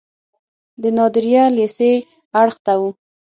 د نادریه لیسې اړخ ته و.